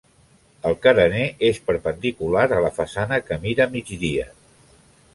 El carener és perpendicular a la façana que mira a migdia.